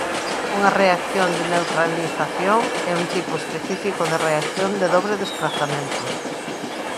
Unha reacción de neutralización é un tipo específico de reacción de dobre desprazamento.